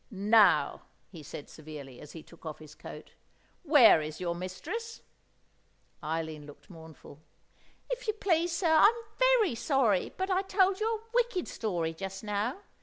"Now," he said severely, as he took off his coat. "Where is your mistress?" Eileen looked mournful. "If you please, sir, I'm very sorry, but I told you a wicked story just now.